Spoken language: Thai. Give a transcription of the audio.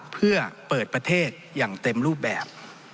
เพื่อเปิดประเทศอย่างเต็มรูปแบบ